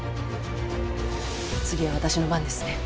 次は私の番ですね。